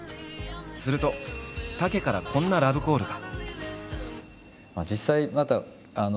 すると武からこんなラブコールが。